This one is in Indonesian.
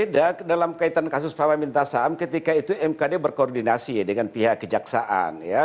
ya beda dalam kaitan kasus paman minta saam ketika itu mkd berkoordinasi dengan pihak kejaksaan ya